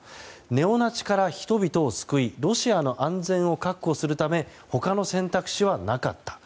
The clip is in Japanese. ネオナチから人々を救いロシアの安全を確保するため他の選択肢はなかった。